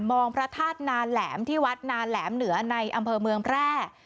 พระธาตุนาแหลมที่วัดนาแหลมเหนือในอำเภอเมืองแพร่